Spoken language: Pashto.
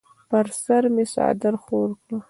پر سر مې څادر خور کړ.